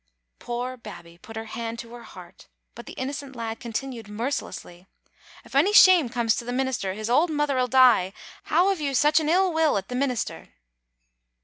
Poor Babbie put her hand to her heart, but the inno cent lad continued mercilessly — '*If ony shame comes to the minister, his auld mither'll die. How have you sic an ill will at the minister?"